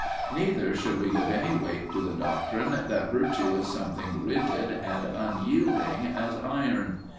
Neither should we give any weight to the doctrine that virtue is something rigid and unyielding as iron.